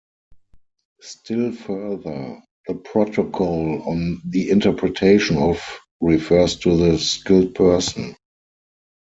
Still further, the Protocol on the Interpretation of refers to the skilled person.